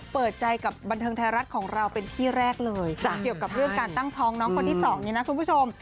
เปิดใจกับบันเทิงไทยรัฐของเราเป็นที่แรกเลยเกี่ยวกับเรื่องการตั้งท้องน้องคนที่สองนี้นะคุณผู้ชม